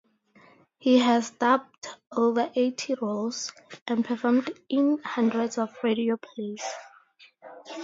He has dubbed over eighty roles and performed in hundreds of radio plays.